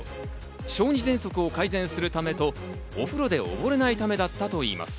小児ぜんそくを改善するためと、お風呂でおぼれないためだったといいます。